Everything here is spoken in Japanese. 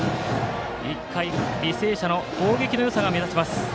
１回、履正社の攻撃のよさが目立ちます。